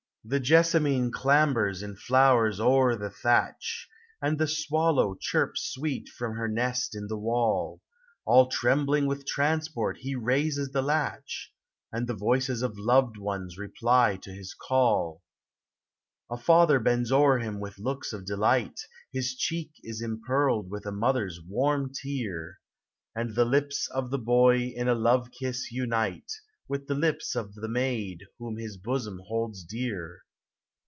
The jessamine clambers in flowers o'er the thatch, Ami the su;iil(>\\ chirps Bweel from ber nest in the wall ; All trembling with transport he raises the latch, And the voices of loved ones reply to his call. .V father bonds o'er him with looks of delight : His cheek is impearled with a mother's warm tear ; And the lips of the boy in ;i love kiss anite With the lips of the maid whom his bosom holds dear.